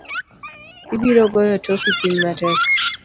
Ibiro goyo toki piny matek.